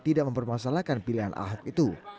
tidak mempermasalahkan pilihan ahok itu